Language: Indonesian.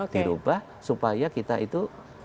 dirubah supaya kita itu